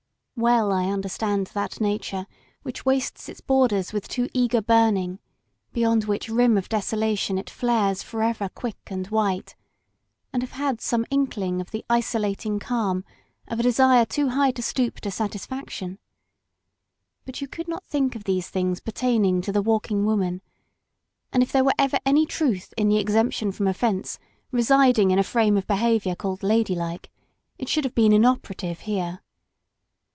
Well I understand that nature which wastes its borders with too eager burning, beyond which rim of desolation it flares forever quick and white, and have had some inkling of the isolating calm of a desire too high to stoop to 197 LOST BORDERS satisfaction. But you could not think of these things pertaining to the Walking Woman; and if there were ever any truth in the exemption from offence residing in a frame of behavior called ladylike, it should have been inoperative here.